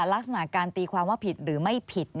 ลักษณะการตีความว่าผิดหรือไม่ผิด